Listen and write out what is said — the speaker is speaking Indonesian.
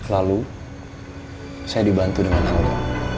lalu saya dibantu dengan angga